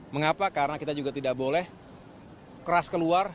mengapa karena kita juga tidak boleh keras keluar